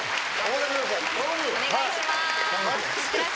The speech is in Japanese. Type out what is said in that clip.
お願いしまー